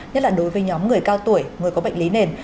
nhất là đối với nhóm người cao tuổi người có bệnh lý nền